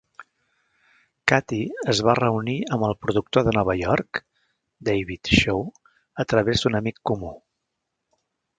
Kathy es va reunir amb el productor de Nova York, David Shaw, a través d'un amic comú.